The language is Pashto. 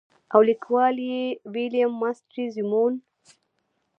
او ليکوال ئې William Mastrosimoneدے.